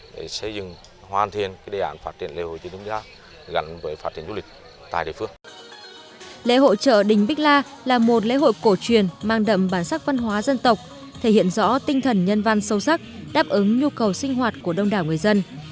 lễ hội chợ đình bích la là một lễ hội cổ truyền mang đậm bản sắc văn hóa dân tộc thể hiện rõ tinh thần nhân văn sâu sắc đáp ứng nhu cầu sinh hoạt của đông đảo người dân